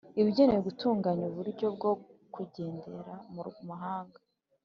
bigenewe gutunganya uburyo bwo kugendera mu muhanda